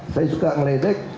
saya suka meledek